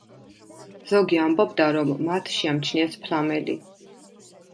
ზოგი ამბობდა, რომ მათ შეამჩნიეს ფლამელი.